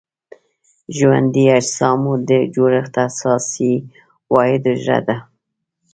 ژوندي اجسامو د جوړښت اساسي واحد حجره ده.